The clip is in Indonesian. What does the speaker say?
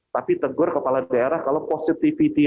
tapi tegur kepala daerah kalau positivity